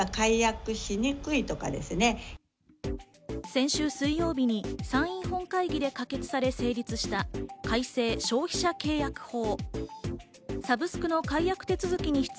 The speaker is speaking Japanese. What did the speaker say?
先週水曜日に参院本会議で可決され成立した、改正消費者契約法。